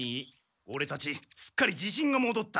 オレたちすっかりじしんがもどった。